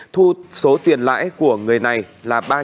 thu số tiền lãi của người này là ba trăm bốn mươi sáu triệu đồng